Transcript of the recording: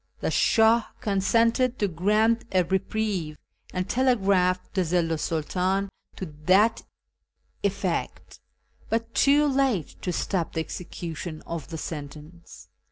The Shah consented to grant a reprieve, and telegraphed to the Zillu 's Snltdn to that effect, but too late to stop the execution of the sentence.